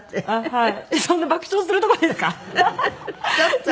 はい。